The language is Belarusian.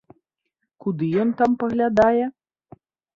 Куды ён там паглядае?